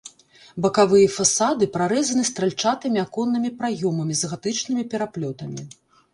Бакавыя фасады прарэзаны стральчатымі аконнымі праёмамі з гатычнымі пераплётамі.